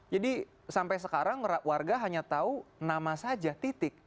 jadi sampai sekarang warga hanya tahu nama saja titik